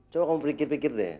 coba kau pikir pikir deh